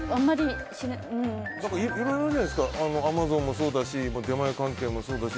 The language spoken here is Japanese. いろいろあるじゃないですかアマゾンもそうだし出前関係もそうだし